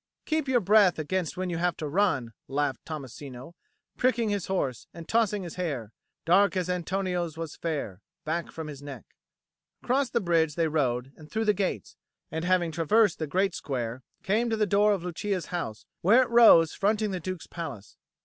"Keep your breath against when you have to run," laughed Tommasino, pricking his horse and tossing his hair, dark as Antonio's was fair, back from his neck. Across the bridge they rode and through the gates, and having traversed the great square, came to the door of Lucia's house, where it rose fronting the Duke's palace.